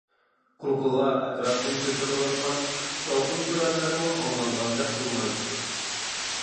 قۇلىقىغا ئەتراپتىن كۆتۈرۈلۈۋاتقان كۈچلۈك شاۋقۇن-سۈرەنلەرمۇ ئاڭلانغاندەك قىلمايتتى.